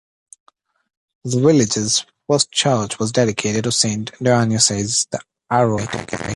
The village's first church was dedicated to Saint Dionysius the Areopagite.